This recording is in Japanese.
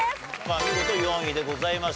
見事４位でございました。